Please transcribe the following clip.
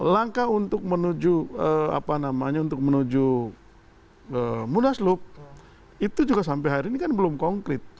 langkah untuk menuju mudah slup itu juga sampai hari ini kan belum konkret